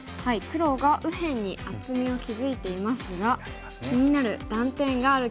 黒が右辺に厚みを築いていますが気になる断点がある局面です。